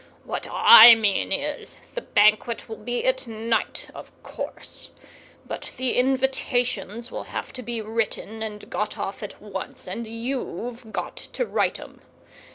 What I mean is, the Banquet will be at night, of course, but the invitations will have to be written and got off at once, and you've got to write 'em.